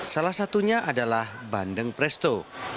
salah satunya adalah bandeng presto